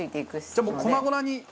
じゃあもう粉々に。